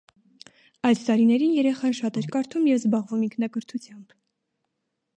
Այդ տարիներին երեխան շատ էր կարդում և զբաղվում ինքնակրթությամբ։